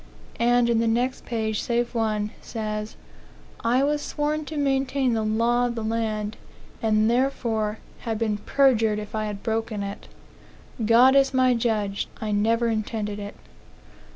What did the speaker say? And, in the next page save one, says, 'I was sworn to maintain the law of the land, and therefore had been perjured if I had broken it. God is my judge, I never intended it.'